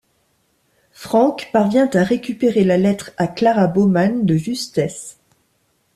Frank parvient à récupérer la lettre à Klara Baumann de justesse.